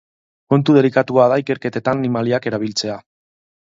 Kontu delikatua da ikerketetan animaliak erabiltzea.